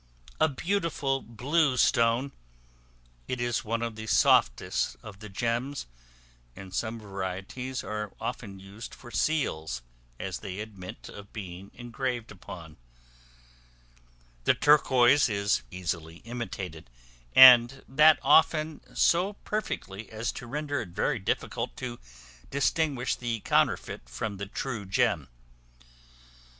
A beautiful blue stone; it is one of the softest of the gems, and some varieties are often used for seals, as they admit of being engraved upon. The turquois is easily imitated, and that often so perfectly as to render it very difficult to distinguish the counterfeit from the true gem.